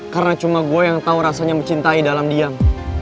karena cuma gue yang tau rasanya mencintai dalam diam